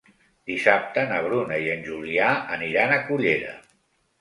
Dissabte na Bruna i en Julià aniran a Cullera.